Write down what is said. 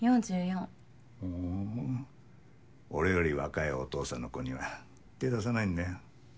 ふん俺より若いお父さんの子には手出さないんだよ